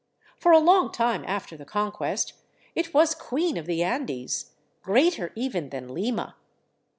For a long time after the Conquest it was queen of the Andes, greater even than Lima.